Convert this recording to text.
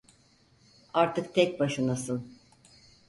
Artık tek başınasın.